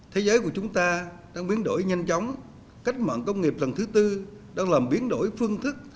thế giới của chúng ta đang biến đổi nhanh chóng cách mạng công nghiệp lần thứ tư đang làm biến đổi phương thức